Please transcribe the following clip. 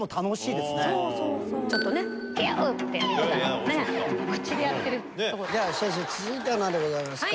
では先生続いては何でございますか？